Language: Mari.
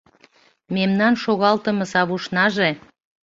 Мемнан шогалтыме савушнаже